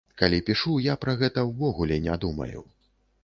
Калі пішу, я пра гэта ўвогуле не думаю.